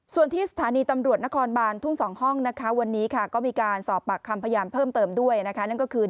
ส่วนที่สถานีตำรวจนครบานทุ่ง๒ห้องนะคะวันนี้ค่ะก็มีการสอบปากคำพยานเพิ่มเติมด้วยนะคะนั่นก็คือ